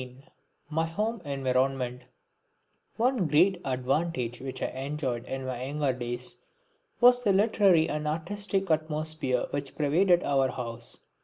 (18) My Home Environment One great advantage which I enjoyed in my younger days was the literary and artistic atmosphere which pervaded our house.